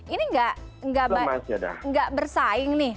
ini gak bersaing nih